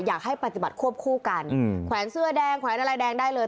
อยากให้ปฏิบัติควบคู่กันแขวนเสื้อแดงแขวนอะไรแดงได้เลย